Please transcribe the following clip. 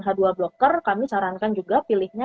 h dua blocker kami sarankan juga pilihnya